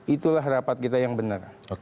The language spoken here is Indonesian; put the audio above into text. itulah rapat kita yang benar